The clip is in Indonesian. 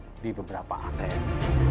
jadi beberapa atm